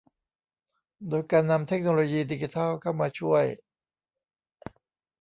โดยการนำเทคโนโลยีดิจิทัลเข้ามาช่วย